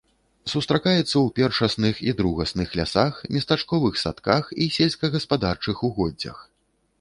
Сустракаецца ў першасных і другасных лясах, местачковых садках і сельскагаспадарчых угоддзях.